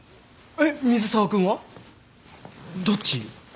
えっ水沢君は？どっち？